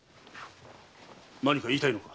何か言いたいのか？